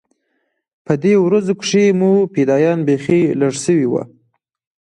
په دې ورځو کښې مو فدايان بيخي لږ سوي وو.